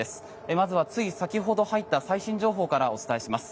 まずはつい先ほど入った最新情報からお伝えします。